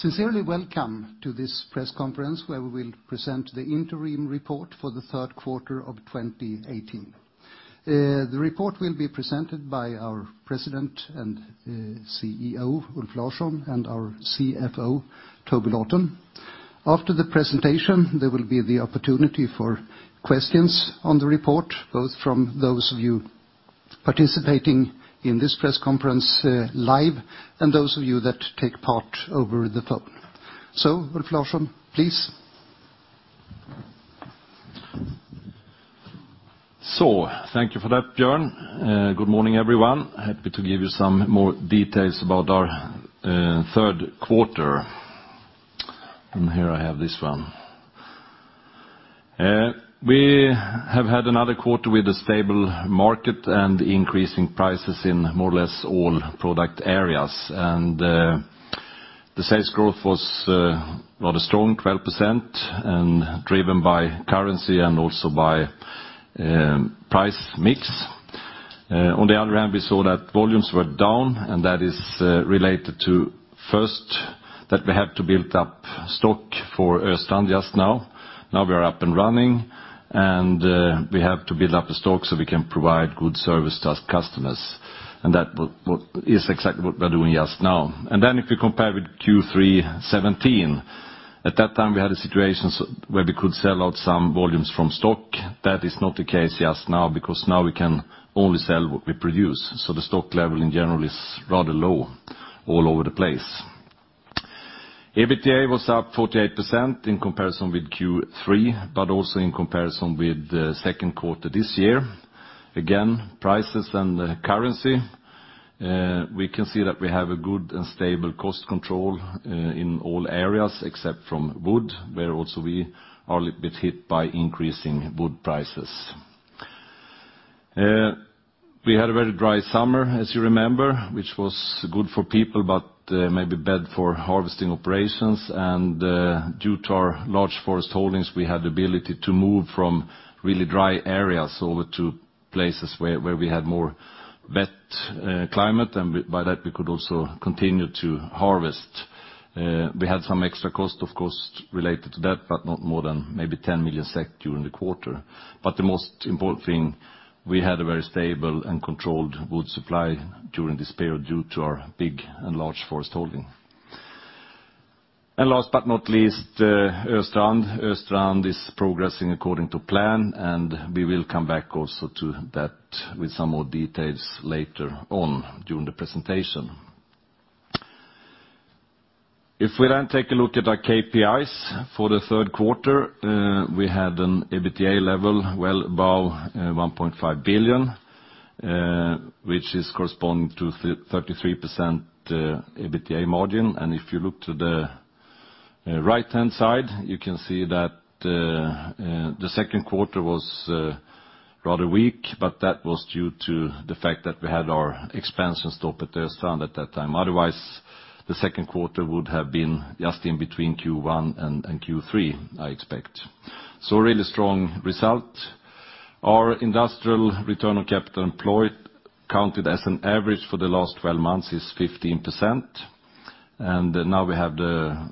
Sincerely welcome to this press conference where we will present the interim report for the third quarter of 2018. The report will be presented by our President and CEO, Ulf Larsson, and our CFO, Toby Lawton. After the presentation, there will be the opportunity for questions on the report, both from those of you participating in this press conference live and those of you that take part over the phone. Ulf Larsson, please. Thank you for that, Björn. Good morning, everyone. Happy to give you some more details about our third quarter. Here I have this one. We have had another quarter with a stable market and increasing prices in more or less all product areas. The sales growth was rather strong, 12%, and driven by currency and also by price mix. On the other hand, we saw that volumes were down, and that is related to, first, that we have to build up stock for Östrand just now. Now we are up and running, and we have to build up the stock so we can provide good service to our customers. That is exactly what we are doing just now. If you compare with Q3 2017, at that time, we had a situation where we could sell out some volumes from stock. That is not the case just now, because now we can only sell what we produce. The stock level in general is rather low all over the place. EBITDA was up 48% in comparison with Q3, but also in comparison with the second quarter this year. Again, prices and the currency. We can see that we have a good and stable cost control in all areas except from wood, where also we are a little bit hit by increasing wood prices. We had a very dry summer, as you remember, which was good for people, but maybe bad for harvesting operations. Due to our large forest holdings, we had the ability to move from really dry areas over to places where we had more wet climate, and by that we could also continue to harvest. We had some extra cost, of course, related to that, but not more than maybe 10 million SEK during the quarter. The most important thing, we had a very stable and controlled wood supply during this period due to our big and large forest holding. Last but not least, Östrand. Östrand is progressing according to plan, and we will come back also to that with some more details later on during the presentation. We take a look at our KPIs for the third quarter, we had an EBITDA level well above 1.5 billion, which is corresponding to 33% EBITDA margin. If you look to the right-hand side, you can see that the second quarter was rather weak, but that was due to the fact that we had our expansion stop at Östrand at that time. Otherwise, the second quarter would have been just in between Q1 and Q3, I expect. A really strong result. Our industrial return on capital employed, counted as an average for the last 12 months, is 15%. Now we have the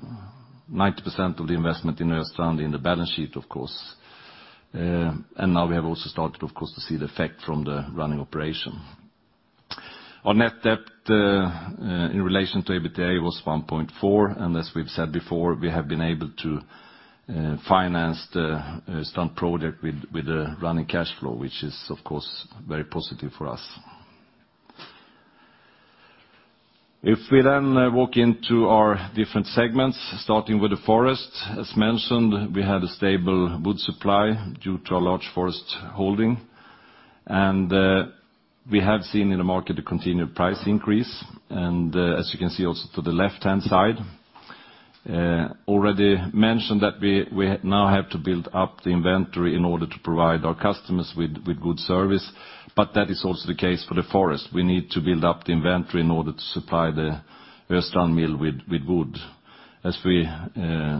90% of the investment in Östrand in the balance sheet, of course. Now we have also started, of course, to see the effect from the running operation. Our net debt in relation to EBITDA was 1.4. As we've said before, we have been able to finance the Östrand project with the running cash flow, which is, of course, very positive for us. If we walk into our different segments, starting with the forest, as mentioned, we had a stable wood supply due to our large forest holding. We have seen in the market a continued price increase. As you can see also to the left-hand side, already mentioned that we now have to build up the inventory in order to provide our customers with good service, but that is also the case for the forest. We need to build up the inventory in order to supply the Östrand mill with wood, as we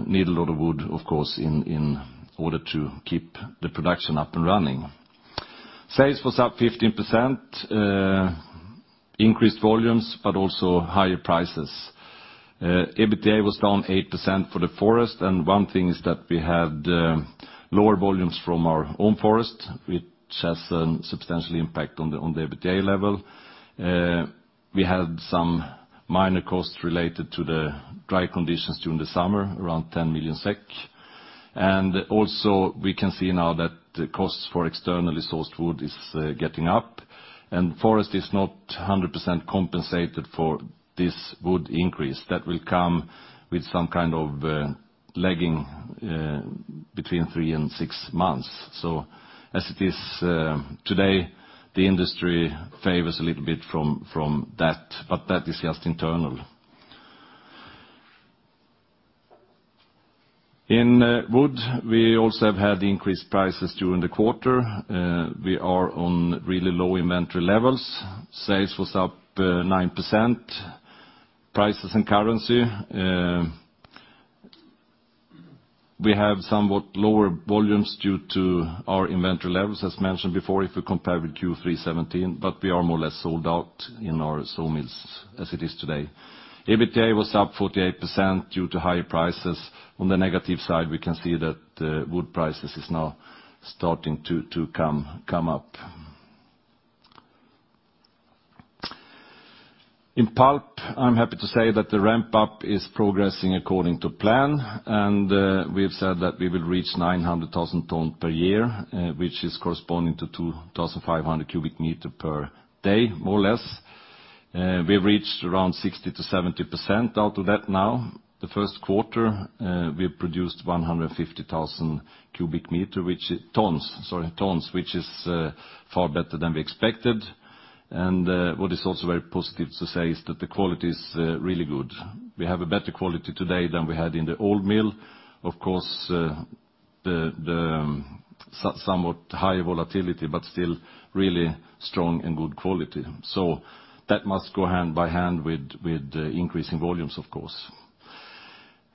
need a lot of wood, of course, in order to keep the production up and running. Sales was up 15%, increased volumes, but also higher prices. EBITDA was down 8% for the forest. One thing is that we had lower volumes from our own forest, which has a substantial impact on the EBITDA level. We had some minor costs related to the dry conditions during the summer, around 10 million SEK. Also we can see now that the costs for externally sourced wood is getting up and forest is not 100% compensated for this wood increase. That will come with some kind of lagging between three and six months. As it is today, the industry favors a little bit from that, but that is just internal. In wood, we also have had increased prices during the quarter. We are on really low inventory levels. Sales was up 9%. Prices and currency. We have somewhat lower volumes due to our inventory levels, as mentioned before, if we compare with Q3 2017, but we are more or less sold out in our sawmills as it is today. EBITDA was up 48% due to higher prices. On the negative side, we can see that wood prices is now starting to come up. In pulp, I'm happy to say that the ramp-up is progressing according to plan. We've said that we will reach 900,000 tons per year, which is corresponding to 2,500 cubic meters per day, more or less. We've reached around 60%-70% out of that now. The first quarter, we produced 150,000 cubic meters, which. Tons. Sorry. Tons, which is far better than we expected. What is also very positive to say is that the quality is really good. We have a better quality today than we had in the old mill. Of course, the somewhat high volatility, but still really strong and good quality. That must go hand by hand with increasing volumes, of course.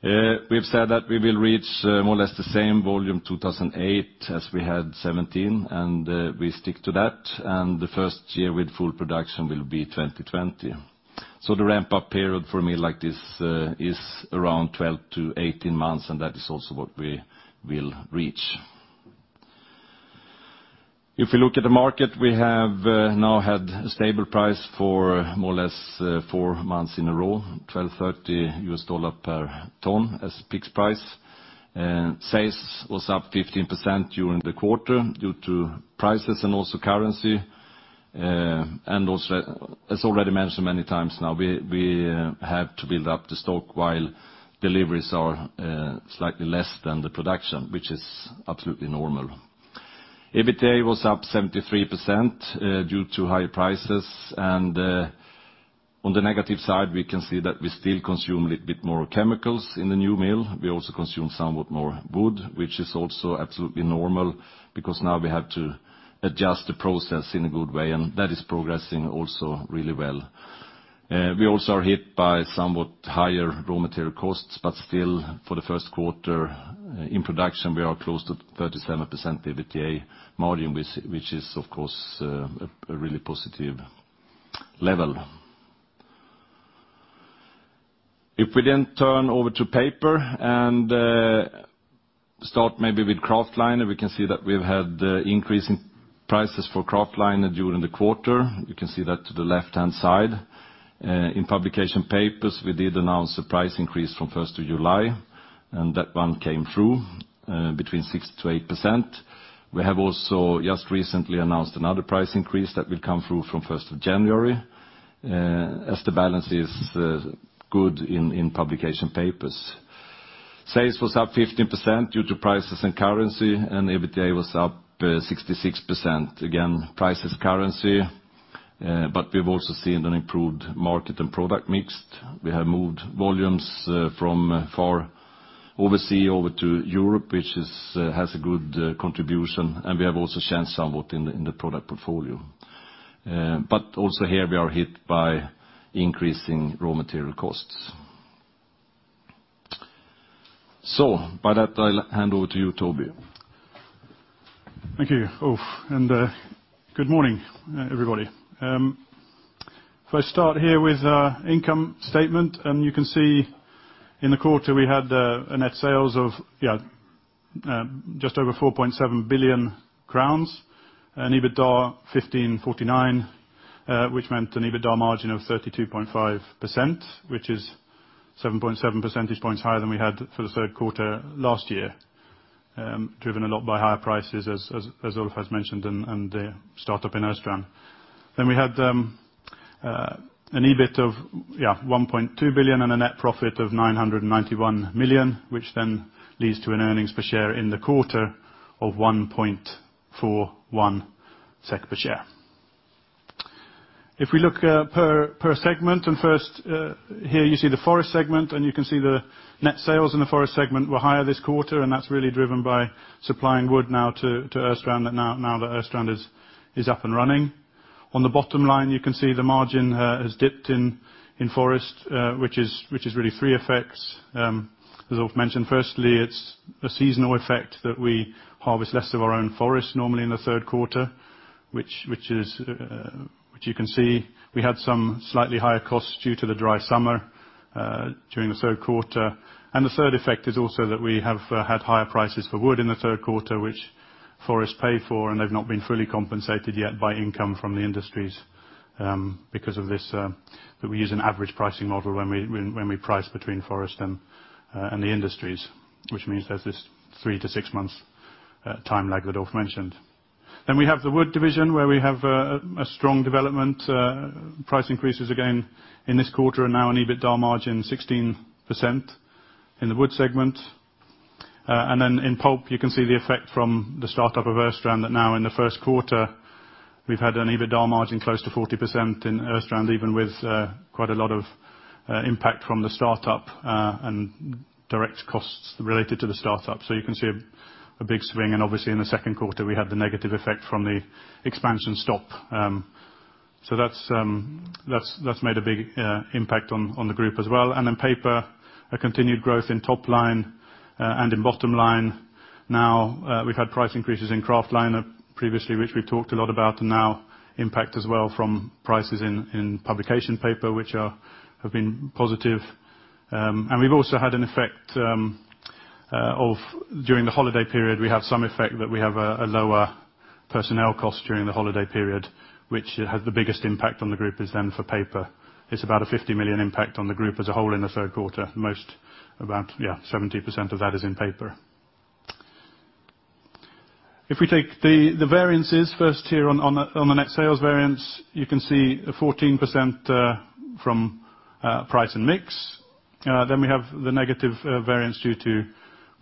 We've said that we will reach more or less the same volume 2018 as we had 2017. We stick to that. The first year with full production will be 2020. The ramp-up period for a mill like this is around 12-18 months, and that is also what we will reach. If we look at the market, we have now had a stable price for more or less four months in a row, $1,230 per ton as PIX price. Sales was up 15% during the quarter due to prices and also currency. Also, as already mentioned many times now, we have to build up the stock while deliveries are slightly less than the production, which is absolutely normal. EBITDA was up 73% due to higher prices, and on the negative side, we can see that we still consume a little bit more chemicals in the new mill. We also consume somewhat more wood, which is also absolutely normal because now we have to adjust the process in a good way, and that is progressing also really well. We also are hit by somewhat higher raw material costs, but still for the first quarter in production we are close to 37% EBITDA margin, which is of course a really positive level. If we turn over to paper and start maybe with kraftliner, we can see that we've had increasing prices for kraftliner during the quarter. You can see that to the left-hand side. In publication papers, we did announce a price increase from 1st of July, and that one came through between 6%-8%. We have also just recently announced another price increase that will come through from 1st of January, as the balance is good in publication papers. Sales was up 15% due to prices and currency, EBITDA was up 66%. Again, prices, currency, we've also seen an improved market and product mix. We have moved volumes from far overseas over to Europe, which has a good contribution, and we have also changed somewhat in the product portfolio. Also here we are hit by increasing raw material costs. By that, I'll hand over to you, Toby Thank you, Ulf, and good morning, everybody. If I start here with income statement, you can see in the quarter we had a net sales of, yeah, just over 4.7 billion crowns and EBITDA 1,549, which meant an EBITDA margin of 32.5%, which is 7.7 percentage points higher than we had for the third quarter last year, driven a lot by higher prices as Ulf has mentioned and the startup in Östrand. We had an EBIT of, yeah, 1.2 billion and a net profit of 991 million, which leads to an earnings per share in the quarter of 1.41 SEK per share. If we look per segment, first here you see the forest segment, you can see the net sales in the forest segment were higher this quarter, and that's really driven by supplying wood now to Östrand now that Östrand is up and running. On the bottom line, you can see the margin has dipped in forest, which is really 3 effects. As Ulf mentioned, firstly, it's a seasonal effect that we harvest less of our own forest normally in the third quarter, which you can see. We had some slightly higher costs due to the dry summer during the third quarter. The third effect is also that we have had higher prices for wood in the third quarter, which forest paid for, and they've not been fully compensated yet by income from the industries because of this, that we use an average pricing model when we price between forest and the industries, which means there's this 3-6 months time lag that Ulf mentioned. We have the wood division where we have a strong development, price increases again in this quarter and now an EBITDA margin 16% in the wood segment. In pulp you can see the effect from the startup of Östrand that now in the first quarter we've had an EBITDA margin close to 40% in Östrand, even with quite a lot of impact from the startup and direct costs related to the startup. You can see a big swing, and obviously in the second quarter, we had the negative effect from the expansion stop. That's made a big impact on the group as well. In paper, a continued growth in top line and in bottom line. We've had price increases in kraftliner previously, which we talked a lot about, and now impact as well from prices in publication papers, which have been positive. We've also had an effect of, during the holiday period, we have some effect that we have a lower personnel cost during the holiday period, which has the biggest impact on the group is for paper. It's about a 50 million impact on the group as a whole in the third quarter. Most, about 70% of that is in paper. If we take the variances first here on the net sales variance, you can see a 14% from price and mix. We have the negative variance due to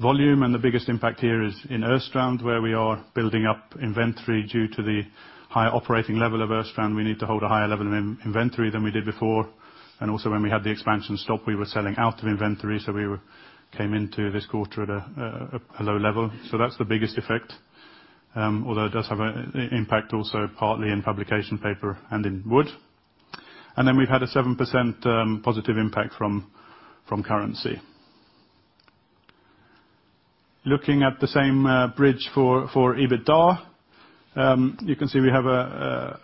volume, and the biggest impact here is in Östrand, where we are building up inventory. Due to the higher operating level of Östrand, we need to hold a higher level of inventory than we did before. Also when we had the expansion stop, we were selling out of inventory, so we came into this quarter at a low level. That's the biggest effect, although it does have an impact also partly in publication papers and in wood. We've had a 7% positive impact from currency. Looking at the same bridge for EBITDA. You can see we have a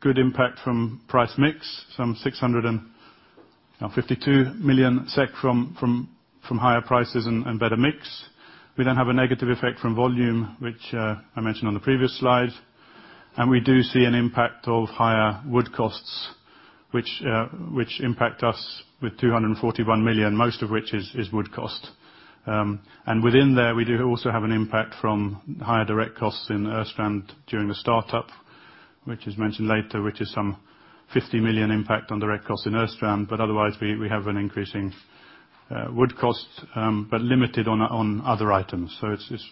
good impact from price mix, some 652 million SEK from higher prices and better mix. We have a negative effect from volume, which I mentioned on the previous slide. We do see an impact of higher wood costs, which impact us with 241 million, most of which is wood cost. Within there, we do also have an impact from higher direct costs in Östrand during the startup, which is mentioned later, which is some 50 million impact on direct cost in Östrand. Otherwise, we have an increasing wood cost, but limited on other items. It's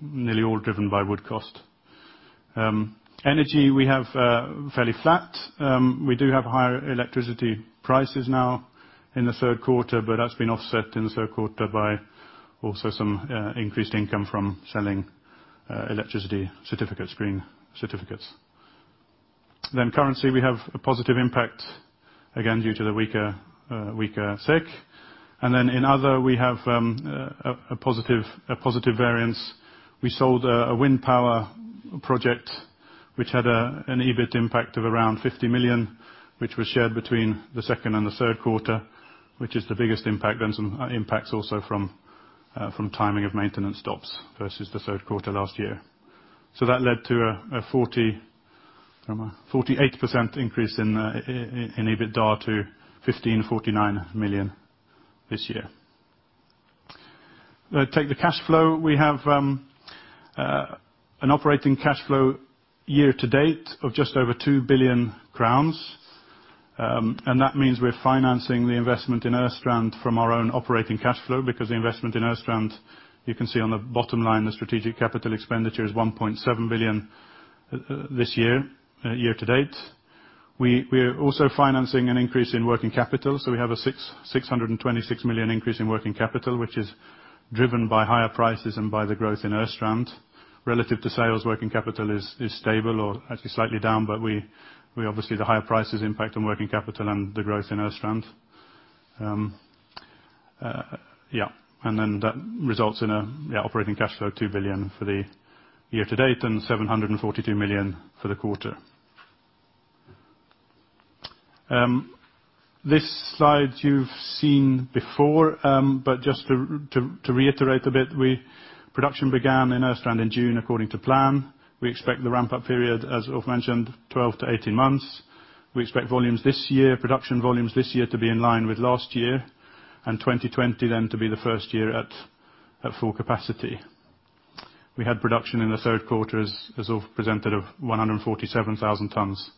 nearly all driven by wood cost. Energy, we have fairly flat. We do have higher electricity prices now in the Q3, but that's been offset in the Q3 by also some increased income from selling electricity certificates, green certificates. Currency, we have a positive impact, again, due to the weaker SEK. In other, we have a positive variance. We sold a wind power project, which had an EBIT impact of around 50 million, which was shared between the Q2 and the Q3, which is the biggest impact. Some impacts also from timing of maintenance stops versus the Q3 last year. That led to a 48% increase in EBITDA to 1,549 million this year. Take the cash flow. We have an operating cash flow year to date of just over 2 billion crowns. That means we're financing the investment in Östrand from our own operating cash flow, because the investment in Östrand, you can see on the bottom line, the strategic capital expenditure is 1.7 billion this year to date. We are also financing an increase in working capital. We have a 626 million increase in working capital, which is driven by higher prices and by the growth in Östrand. Relative to sales, working capital is stable or actually slightly down, but obviously the higher prices impact on working capital and the growth in Östrand. That results in operating cash flow of 2 billion for the year to date and 742 million for the quarter. This slide you've seen before, but just to reiterate a bit, production began in Östrand in June according to plan. We expect the ramp-up period, as Ulf mentioned, 12-18 months. We expect production volumes this year to be in line with last year, and 2020 to be the first year at full capacity. We had production in the Q3, as Ulf presented, of 147,000 tons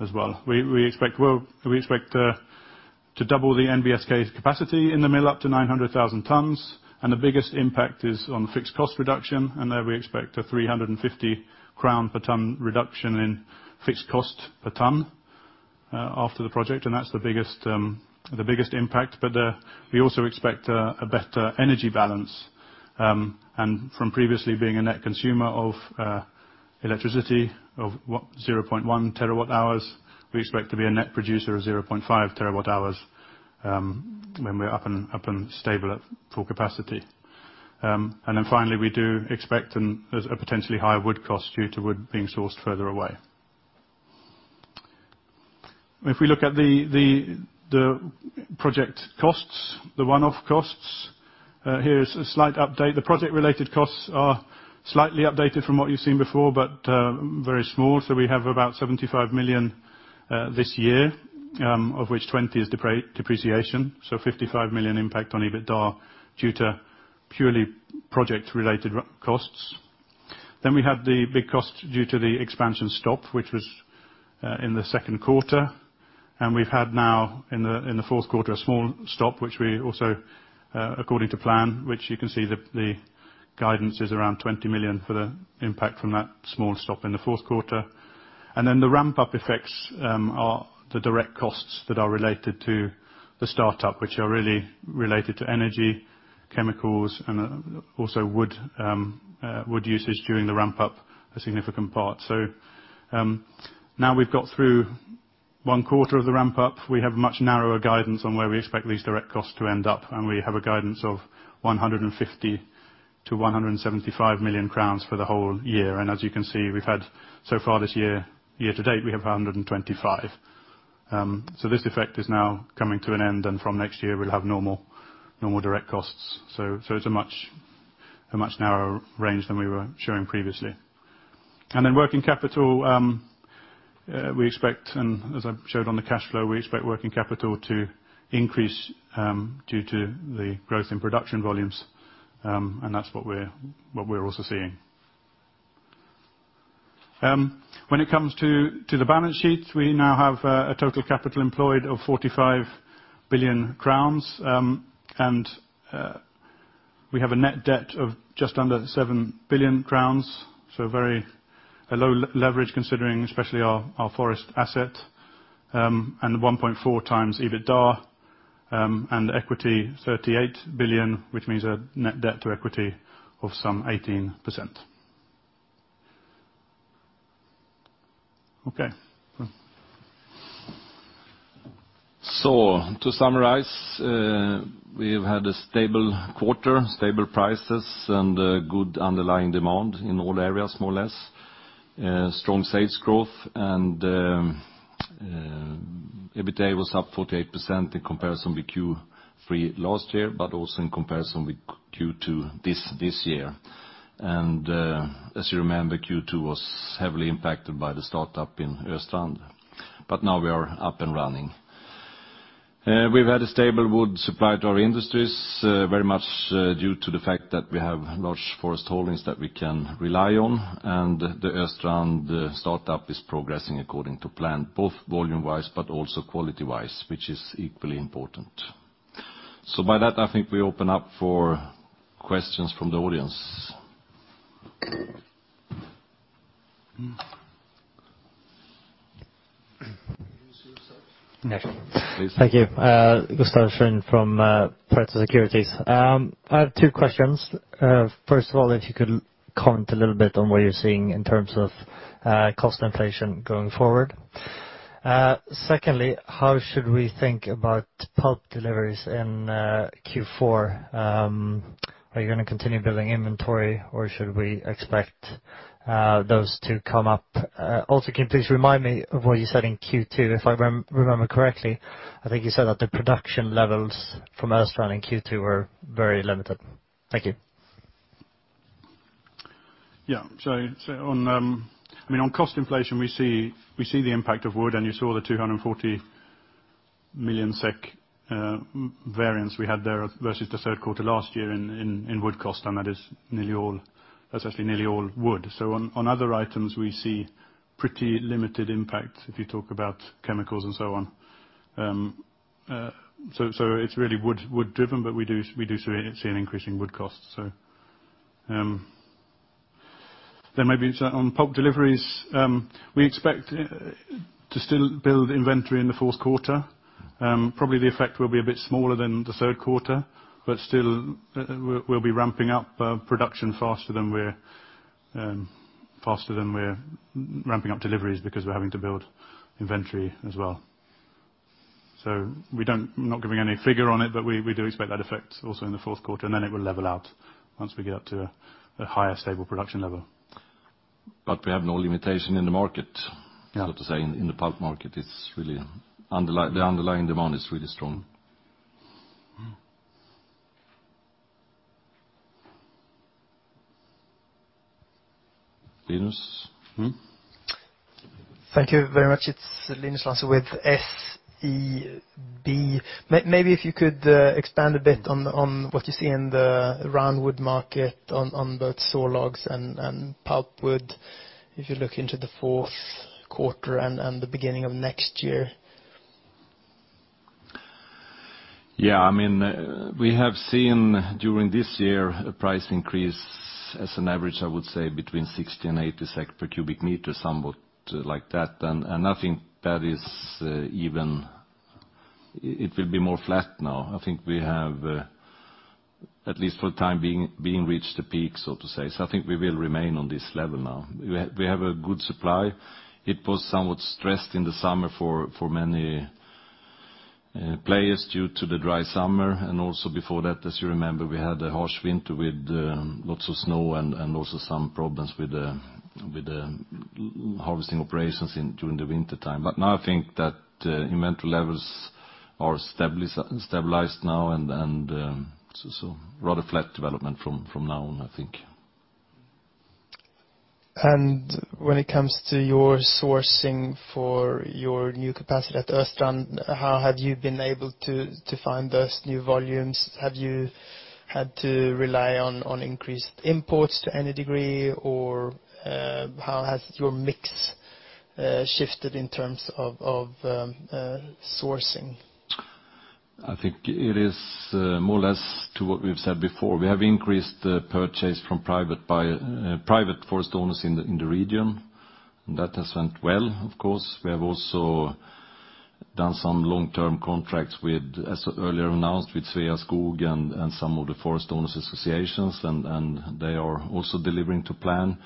as well. We expect to double the NBSK capacity in the mill up to 900,000 tons, and the biggest impact is on fixed cost reduction. In there we expect a 350 crown per ton reduction in fixed cost per ton after the project, and that's the biggest impact. We also expect a better energy balance. From previously being a net consumer of electricity of 0.1 terawatt hours, we expect to be a net producer of 0.5 terawatt hours when we're up and stable at full capacity. Finally, we do expect a potentially higher wood cost due to wood being sourced further away. If we look at the project costs, the one-off costs. Here is a slight update. The project-related costs are slightly updated from what you've seen before, but very small. We have about 75 million this year, of which 20 is depreciation, 55 million impact on EBITDA due to purely project-related costs. We have the big cost due to the expansion stop, which was in the Q2. We've had now in the fourth quarter, a small stop, which we also according to plan, which you can see the guidance is around 20 million for the impact from that small stop in the fourth quarter. The ramp-up effects are the direct costs that are related to the startup, which are really related to energy, chemicals and also wood usage during the ramp-up, a significant part. Now we've got through one quarter of the ramp-up. We have much narrower guidance on where we expect these direct costs to end up, and we have a guidance of 150 million-175 million crowns for the whole year. As you can see, we've had so far this year to date, we have 125 million. This effect is now coming to an end, and from next year we'll have normal direct costs. It's a much narrower range than we were showing previously. Working capital, we expect, and as I showed on the cash flow, we expect working capital to increase due to the growth in production volumes. That's what we're also seeing. When it comes to the balance sheets, we now have a total capital employed of 45 billion crowns. We have a net debt of just under 7 billion crowns. A very low leverage considering especially our forest asset, and 1.4 times EBITDA, and equity 38 billion, which means a net debt to equity of some 18%. To summarize, we've had a stable quarter, stable prices, and good underlying demand in all areas, more or less. Strong sales growth, and EBITDA was up 48% in comparison with Q3 last year, but also in comparison with Q2 this year. As you remember, Q2 was heavily impacted by the startup in Östrand. Now we are up and running. We've had a stable wood supply to our industries, very much due to the fact that we have large forest holdings that we can rely on, and the Östrand startup is progressing according to plan, both volume-wise but also quality-wise, which is equally important. By that, I think we open up for questions from the audience. Introduce yourself. Yes, please. Thank you. Gustaf Sjödin from Pareto Securities. I have two questions. First of all, if you could comment a little bit on what you're seeing in terms of cost inflation going forward. Secondly, how should we think about pulp deliveries in Q4? Are you going to continue building inventory, or should we expect those to come up? Also, can you please remind me of what you said in Q2? If I remember correctly, I think you said that the production levels from Östrand in Q2 were very limited. Thank you. Yeah. On cost inflation, we see the impact of wood, and you saw the 240 million SEK variance we had there versus the third quarter last year in wood cost, and that's actually nearly all wood. On other items, we see pretty limited impact if you talk about chemicals and so on. It's really wood-driven, but we do see an increase in wood cost. Then maybe on pulp deliveries, we expect to still build inventory in the fourth quarter. Probably the effect will be a bit smaller than the third quarter, but still we'll be ramping up production faster than we're ramping up deliveries because we're having to build inventory as well. We're not giving any figure on it, but we do expect that effect also in the fourth quarter, and then it will level out once we get up to a higher stable production level. We have no limitation in the market- Yeah so to say, in the pulp market. The underlying demand is really strong. Linus? Mm-hmm. Thank you very much. It's Linus Larsson with SEB. Maybe if you could expand a bit on what you see in the round wood market on both saw logs and pulpwood if you look into the fourth quarter and the beginning of next year. Yeah. We have seen during this year a price increase as an average, I would say, between 60 and 80 SEK per cubic meter, somewhat like that. I think that it will be more flat now. I think we have, at least for the time being, reached the peak, so to say. I think we will remain on this level now. We have a good supply. It was somewhat stressed in the summer for many players due to the dry summer, and also before that, as you remember, we had a harsh winter with lots of snow and also some problems with the harvesting operations during the wintertime. Now I think that inventory levels are stabilized now, and so rather flat development from now on, I think. When it comes to your sourcing for your new capacity at Östrand, how have you been able to find those new volumes? Have you had to rely on increased imports to any degree, or how has your mix shifted in terms of sourcing? I think it is more or less to what we've said before. We have increased the purchase from private forest owners in the region. That has went well, of course. We have also done some long-term contracts, as earlier announced, with Sveaskog and some of the forest owners associations, and they are also delivering to plan.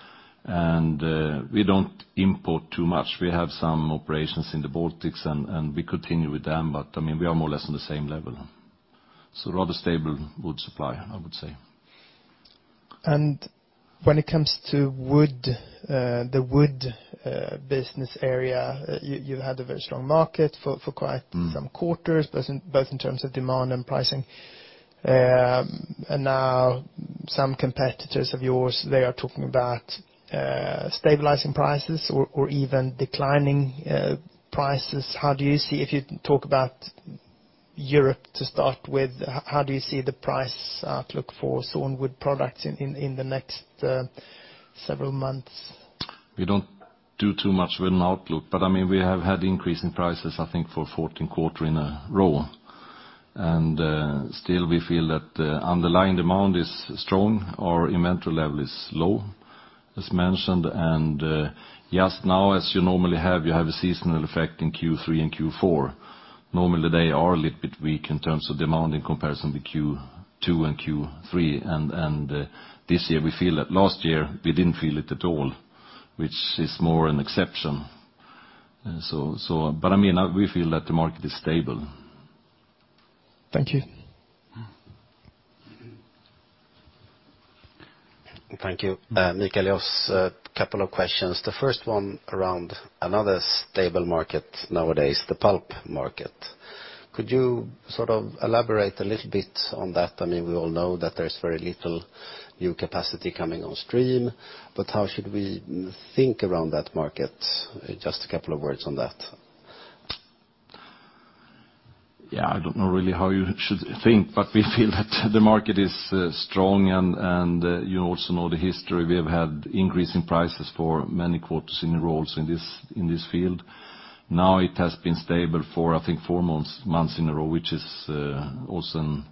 We don't import too much. We have some operations in the Baltics, and we continue with them, but we are more or less on the same level. Rather stable wood supply, I would say. When it comes to the wood business area, you've had a very strong market for quite some quarters, both in terms of demand and pricing. Now some competitors of yours, they are talking about stabilizing prices or even declining prices. If you talk about Europe to start with, how do you see the price outlook for sawnwood products in the next several months? We don't do too much with an outlook, but we have had increasing prices, I think, for 14 quarter in a row. Still we feel that the underlying demand is strong. Our inventory level is low, as mentioned. Just now, as you normally have, you have a seasonal effect in Q3 and Q4. Normally they are a little bit weak in terms of demand in comparison with Q2 and Q3. This year we feel that. Last year we didn't feel it at all, which is more an exception. We feel that the market is stable. Thank you. Thank you. Mikael Öst, couple of questions. The first one around another stable market nowadays, the pulp market. Could you elaborate a little bit on that? We all know that there's very little new capacity coming on stream, how should we think around that market? Just a couple of words on that. Yeah, I don't know really how you should think, we feel that the market is strong. You also know the history. We have had increasing prices for many quarters in a row in this field. Now it has been stable for, I think, four months in a row, which is also an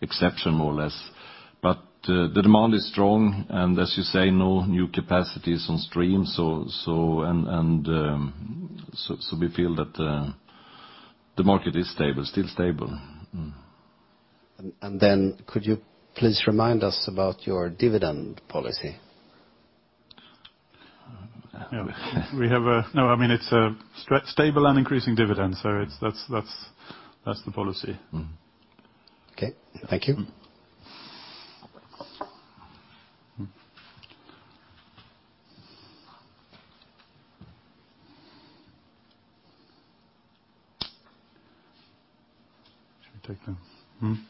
exception, more or less. The demand is strong, as you say, no new capacity is on stream. We feel that the market is still stable. Could you please remind us about your dividend policy? No, it's a stable and increasing dividend, so that's the policy. Okay. Thank you. Should we take them?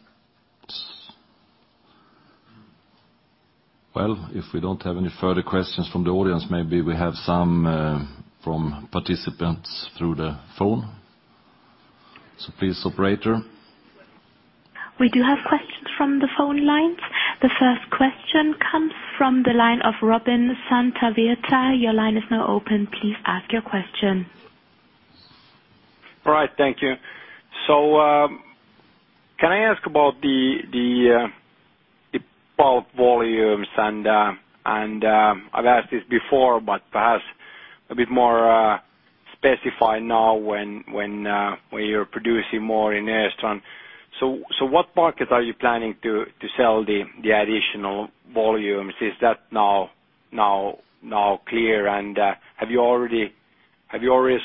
Well, if we don't have any further questions from the audience, maybe we have some from participants through the phone. Please, operator. We do have questions from the phone lines. The first question comes from the line of Robin Santavirta. Your line is now open. Please ask your question. All right. Thank you. Can I ask about the pulp volumes, and I've asked this before, but perhaps a bit more specified now when you're producing more in Östrand. What market are you planning to sell the additional volumes? Is that now clear, and have you already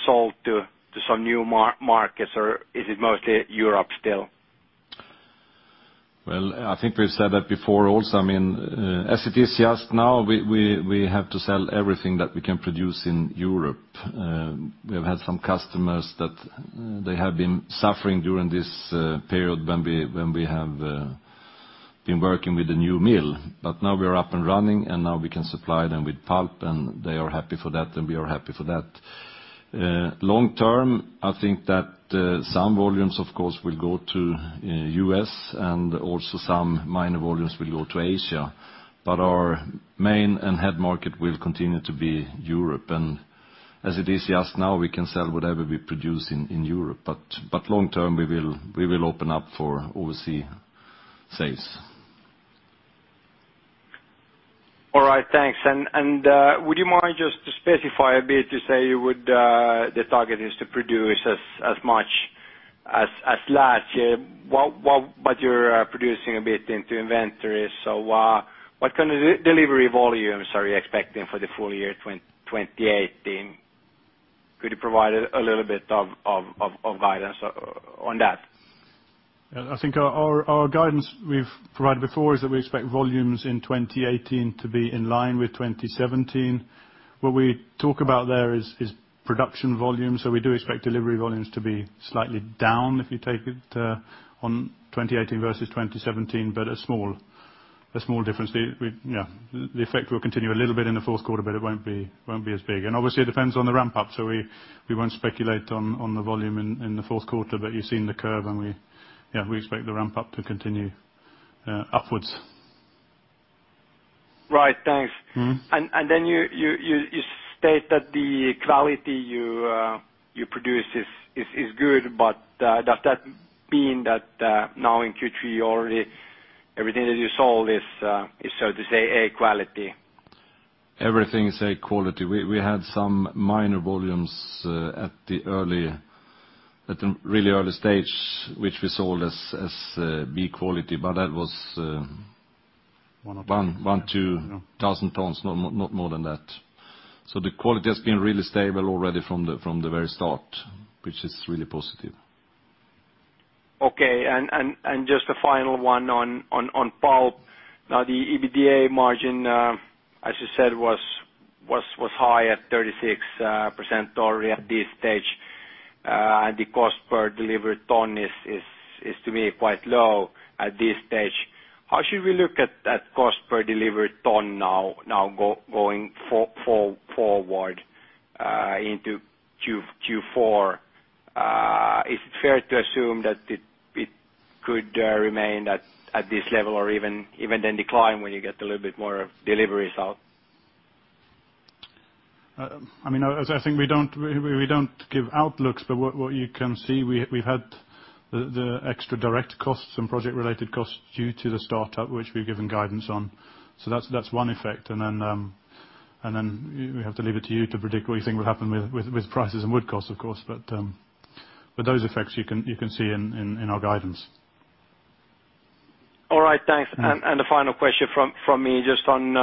sold to some new markets, or is it mostly Europe still? Well, I think we've said that before also. As it is just now, we have to sell everything that we can produce in Europe. We have had some customers that they have been suffering during this period when we have been working with the new mill. Now we are up and running, and now we can supply them with pulp, and they are happy for that, and we are happy for that. Long term, I think that some volumes, of course, will go to U.S., and also some minor volumes will go to Asia. Our main and head market will continue to be Europe. As it is just now, we can sell whatever we produce in Europe. Long term, we will open up for overseas sales. All right, thanks. Would you mind just to specify a bit to say the target is to produce as much as last year. You're producing a bit into inventory. What kind of delivery volumes are you expecting for the full year 2018? Could you provide a little bit of guidance on that? I think our guidance we've provided before is that we expect volumes in 2018 to be in line with 2017. What we talk about there is production volume. We do expect delivery volumes to be slightly down if you take it on 2018 versus 2017, but a small difference. The effect will continue a little bit in the fourth quarter, but it won't be as big. Obviously, it depends on the ramp up, so we won't speculate on the volume in the fourth quarter. You've seen the curve, and we expect the ramp up to continue upwards. Right. Thanks. You state that the quality you produce is good, does that mean that now in Q3 already, everything that you sold is, so to say, A quality? Everything is A quality. We had some minor volumes at the really early stage, which we sold as B quality. One or two one, 2,000 tons, not more than that. The quality has been really stable already from the very start, which is really positive. Okay. Just a final one on pulp. Now, the EBITDA margin, as you said, was high at 36% already at this stage. The cost per delivered ton is, to me, quite low at this stage. How should we look at that cost per delivered ton now going forward into Q4? Is it fair to assume that it could remain at this level or even then decline when you get a little bit more deliveries out? As I think we don't give outlooks, but what you can see, we've had the extra direct costs and project-related costs due to the startup, which we've given guidance on. That's one effect, and then we have to leave it to you to predict what you think will happen with prices and wood costs, of course. Those effects you can see in our guidance. All right. Thanks. The final question from me, just on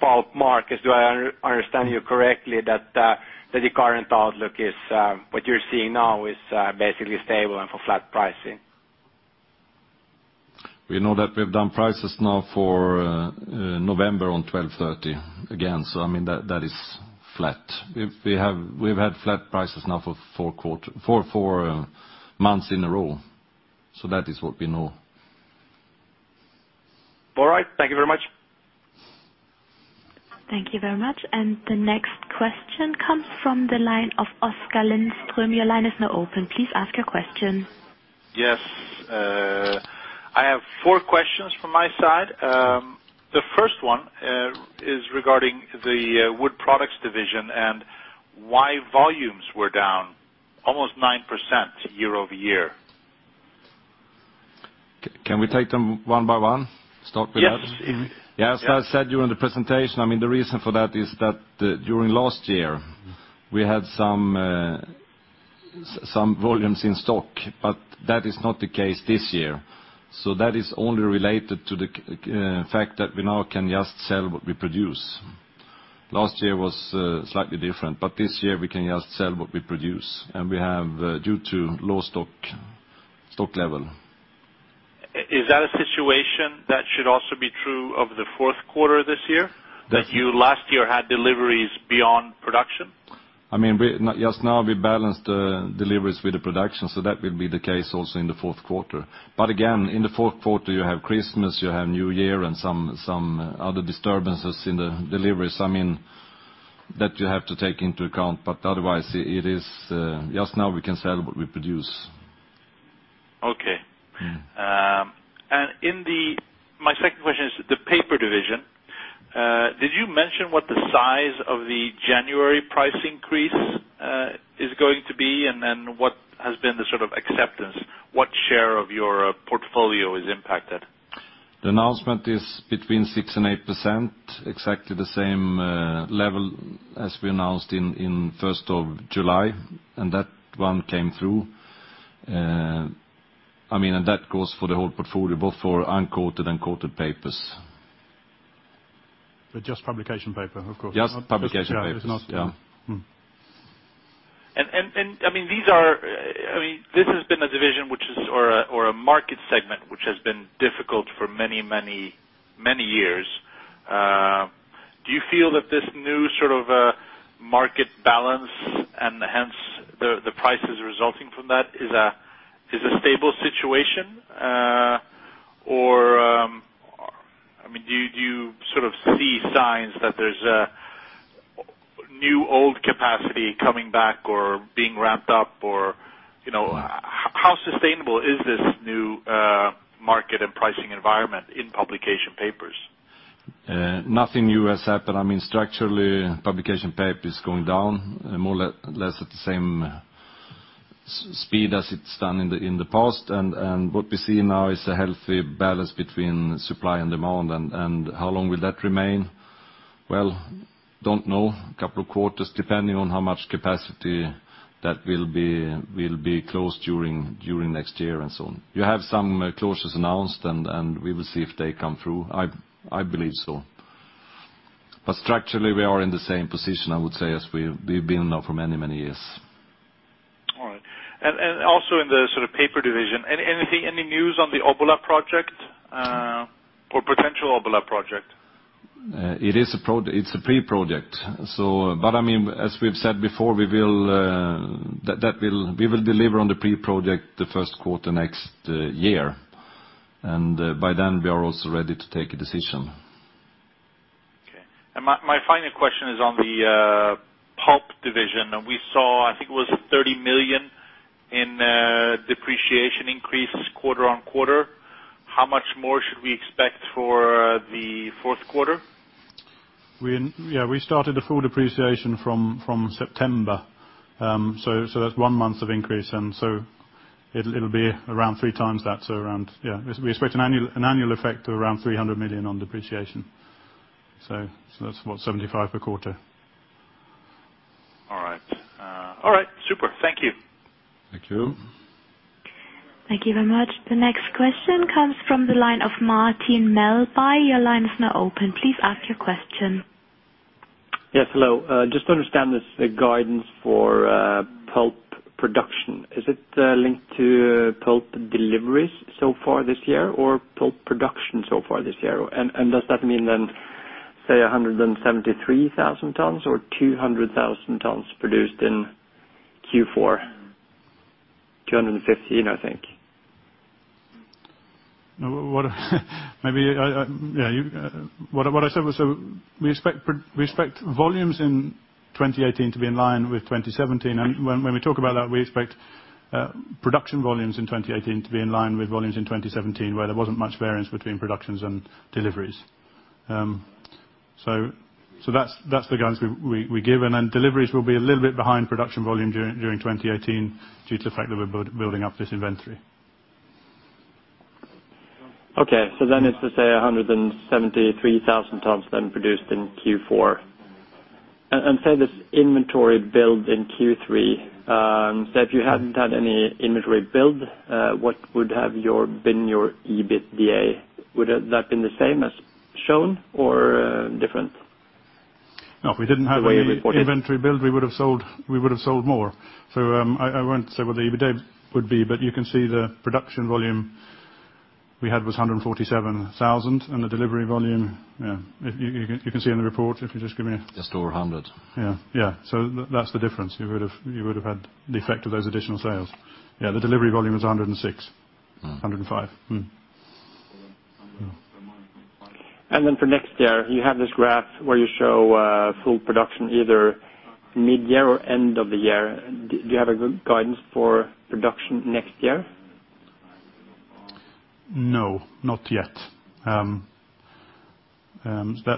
pulp market, do I understand you correctly that the current outlook is what you're seeing now is basically stable and for flat pricing? We know that we've done prices now for November on $1,230 again. That is flat. We've had flat prices now for four months in a row. That is what we know. All right. Thank you very much. Thank you very much. The next question comes from the line of Oskar Lindström. Your line is now open. Please ask your question. Yes. I have four questions from my side. The first one is regarding the wood products division and why volumes were down almost 9% year-over-year. Can we take them one by one? Start with that. Yes. Yes. As I said during the presentation, the reason for that is that during last year, we had some volumes in stock. That is not the case this year. That is only related to the fact that we now can just sell what we produce. Last year was slightly different. This year we can just sell what we produce. We have due to low stock level. Is that a situation that should also be true of the fourth quarter this year? That you last year had deliveries beyond production? Just now we balanced the deliveries with the production. That will be the case also in the fourth quarter. Again, in the fourth quarter, you have Christmas, you have New Year, and some other disturbances in the deliveries. That you have to take into account, otherwise, just now we can sell what we produce. Okay. My second question is the paper division. Did you mention what the size of the January price increase is going to be, and what has been the sort of acceptance? What share of your portfolio is impacted? The announcement is between 6% and 8%, exactly the same level as we announced in 1st of July. That one came through. That goes for the whole portfolio, both for uncoated and coated papers. Just publication paper, of course. Just publication papers. It's not- Yeah. This has been a division or a market segment which has been difficult for many years. Do you feel that this new sort of market balance, and hence the prices resulting from that is a stable situation? Or do you sort of see signs that there's new or old capacity coming back or being ramped up? How sustainable is this new market and pricing environment in publication papers? Nothing new has happened. Structurally, publication paper is going down more or less at the same speed as it's done in the past. What we see now is a healthy balance between supply and demand. How long will that remain? Well, don't know. A couple of quarters, depending on how much capacity that will be closed during next year and so on. You have some closures announced, and we will see if they come through. I believe so. Structurally, we are in the same position, I would say, as we've been now for many years. All right. Also in the paper division, anything, any news on the Obbola project, or potential Obbola project? It's a pre-project. As we've said before, we will deliver on the pre-project the first quarter next year. By then we are also ready to take a decision. Okay. My final question is on the pulp division. We saw, I think it was 30 million in depreciation increase quarter-on-quarter. How much more should we expect for the fourth quarter? We started the full depreciation from September. That's one month of increase. It'll be around three times that. We expect an annual effect of around 300 million on depreciation. That's about 75 per quarter. All right. Super. Thank you. Thank you. Thank you very much. The next question comes from the line of Martin Melbye. Your line is now open. Please ask your question. Yes, hello. Just to understand this guidance for pulp production, is it linked to pulp deliveries so far this year or pulp production so far this year? Does that mean then, say 173,000 tons or 200,000 tons produced in Q4? 215, I think. What I said was we expect volumes in 2018 to be in line with 2017. When we talk about that, we expect production volumes in 2018 to be in line with volumes in 2017 where there wasn't much variance between productions and deliveries. That's the guidance we give. Then deliveries will be a little bit behind production volume during 2018 due to the fact that we're building up this inventory. Okay. It's, let's say 173,000 tons then produced in Q4. This inventory build in Q3, if you hadn't had any inventory build, what would have been your EBITDA? Would that been the same as shown or different? No, if we didn't have any- The way you reported inventory build, we would've sold more. I won't say what the EBITDA would be, but you can see the production volume we had was 147,000 and the delivery volume, you can see in the report if you just give me- Just over 100. Yeah. That's the difference. You would've had the effect of those additional sales. Yeah, the delivery volume was 106. 105. For next year, you have this graph where you show full production either mid-year or end of the year. Do you have a good guidance for production next year? No, not yet. That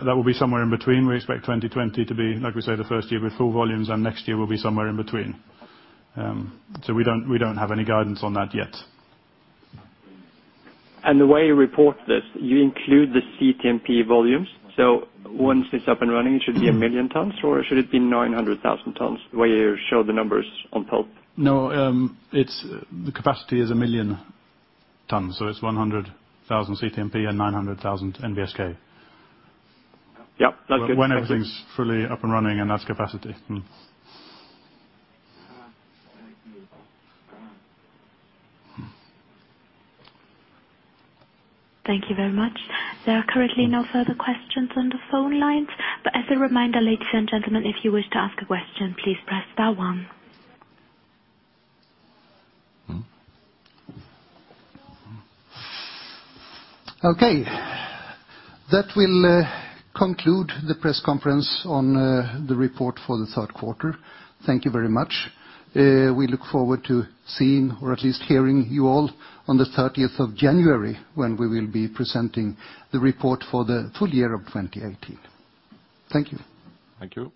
will be somewhere in between. We expect 2020 to be, like we say, the first year with full volumes and next year will be somewhere in between. We don't have any guidance on that yet. The way you report this, you include the CTMP volumes. Once it's up and running, it should be 1 million tons or should it be 900,000 tons, the way you show the numbers on pulp? No, the capacity is 1 million tons, so it's 100,000 CTMP and 900,000 NBSK. Yep. That's good. When everything's fully up and running and that's capacity. Thank you very much. There are currently no further questions on the phone lines. As a reminder, ladies and gentlemen, if you wish to ask a question, please press star one. Okay. That will conclude the press conference on the report for the third quarter. Thank you very much. We look forward to seeing or at least hearing you all on the 30th of January when we will be presenting the report for the full year of 2018. Thank you. Thank you.